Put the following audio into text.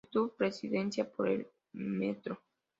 Estuvo presidida por el Mtro.